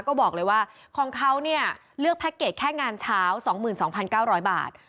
ก็บอกเลยว่าของเขาเนี่ยเลือกแค่งานเช้าสองหมื่นสองพันเก้าร้อยบาท